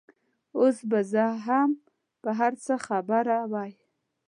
اوس به زه هم په هر څه خبره وای.